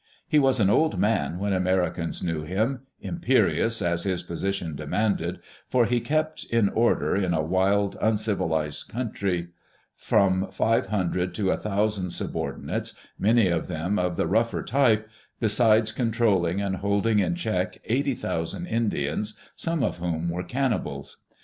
He was an old man when Americans knew him, imperious as his position demanded, for he kept in order, in a wild, uncivilized country, from five hundred to a thousand subordinates, many of them of the roughest type, besides controlling and holding in check eighty thousand Indians, some of whom were cannibals.